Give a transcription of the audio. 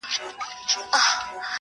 چي شرمېږي له سرونو بګړۍ ورو ورو!.